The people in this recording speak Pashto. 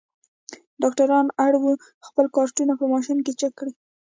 ډاکټران اړ وو خپل کارټونه په ماشین کې چک کړي.